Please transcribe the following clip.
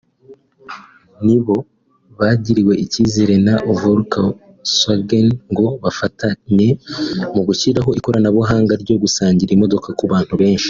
nibo bagiriwe icyizere na Volkswagen ngo bafatanye mu gushyiraho ikoranabuhanga ryo gusangira imodoka ku bantu benshi